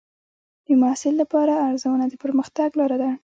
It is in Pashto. د محصل لپاره ارزونه د پرمختګ لار ده.